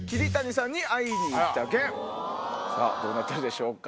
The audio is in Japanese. どうなってるでしょうか？